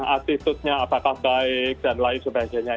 attitudenya apakah baik dan lain sebagainya